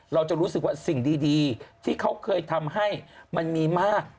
เราจะรู้สึกว่าสิ่งดีที่เขาเคยทำให้มันมีมาก